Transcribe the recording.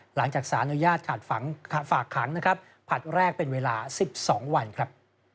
หลังจากสารอนุญาตขาดฝากขังนะครับผลัดแรกเป็นเวลา๑๒วันครับ